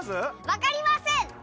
わかりません。